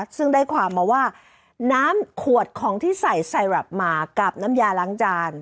ซึ่งได้ความมาว่าน้ำขวดของที่ใส่ไซรับมากับน้ำยาล้างจาน